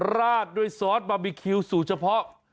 ราดด้วยซอสบาร์บีคิวสูตรเฉพาะ